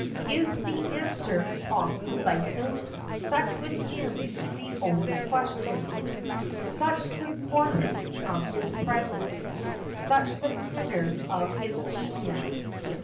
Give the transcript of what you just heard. Is the answer, prompt, decisive. Such, with him, the only question; 6o FACTS AND FANCIES. Such the portent of his presence. Such the tenor of his genius.